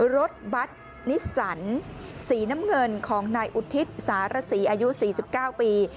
รถบัตรนิสสันสีน้ำเงินของนายอุทิศสารสีอายุ๔๙ปี